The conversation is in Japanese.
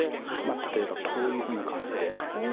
例えばこういうふうな感じで。